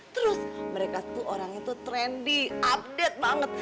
terus mereka tuh orangnya tuh trendy update banget